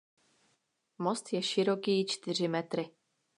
Most je široký čtyři metry.